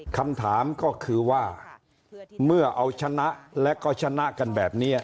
คำถามก็คือว่าเมื่อเอาชนะและก็ชนะกันแบบนี้